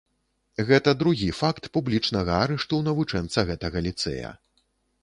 Гэта другі факт публічнага арышту навучэнца гэтага ліцэя.